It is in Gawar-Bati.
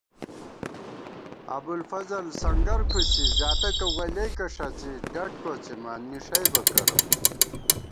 ابُوالفضل سنگر کھُشی، زاتَکہ ولیَئیکہ ݭڅِی ڈٹ کوڅِمان، نِݭَئیبہ کرہ